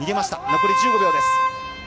残り１５秒です。